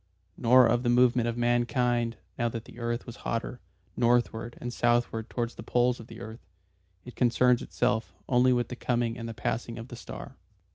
Nor of the movement of mankind now that the earth was hotter, northward and southward towards the poles of the earth. It concerns itself only with the coming and the passing of the Star.